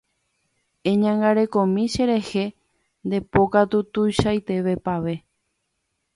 Eñangarekomi cherehe nde pokatu tuichaitévape.